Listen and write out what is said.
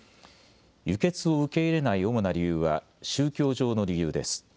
輸血を受け入れない主な理由は宗教上の理由です。